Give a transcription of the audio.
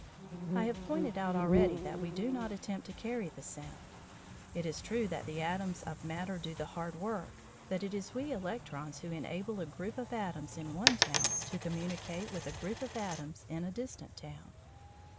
I have pointed out already that we do not attempt to carry the sound. It is true that the atoms of matter do the hard work, but it is we electrons who enable a group of atoms in one town to communicate with a group of atoms in a distant town.